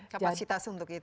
kapasitas untuk itu